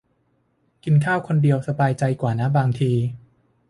กินข้าวคนเดียวสบายใจกว่านะ บางที